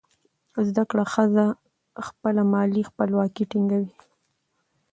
زده کړه ښځه خپله مالي خپلواکي ټینګوي.